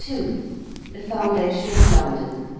THE FOUNDATION OF LONDON.